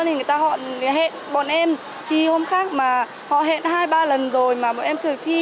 thì người ta họ hẹn bọn em thi hôm khác mà họ hẹn hai ba lần rồi mà bọn em trừ thi